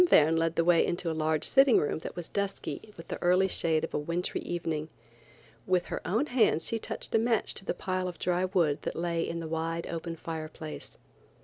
Verne led the way into a large sitting room that was dusky with the early shade of a wintry evening. With her own hands she touched a match to the pile of dry wood that lay in the wide open fireplace.